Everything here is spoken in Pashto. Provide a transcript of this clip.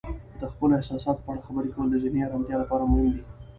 د خپلو احساساتو په اړه خبرې کول د ذهني آرامتیا لپاره مهم دی.